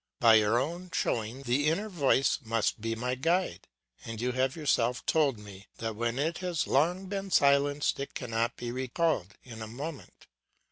By your own showing, the inner voice must be my guide, and you have yourself told me that when it has long been silenced it cannot be recalled in a moment.